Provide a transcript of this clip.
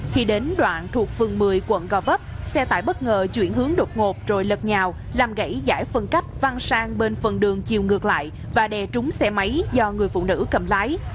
khi đến đoạn thuộc phường một mươi quận gò vấp xe tải bất ngờ chuyển hướng đột ngột rồi lập nhào làm gãy giải phân cách văng sang bên phần đường chiều ngược lại và đè trúng xe máy do người phụ nữ cầm lái